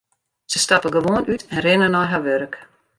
Se stappe gewoan út en rinne nei har wurk.